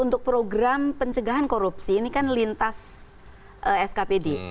untuk program pencegahan korupsi ini kan lintas skpd